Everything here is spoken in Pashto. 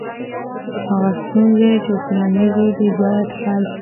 هغه ستونزي چي ټولنیزي دي باید حل سي.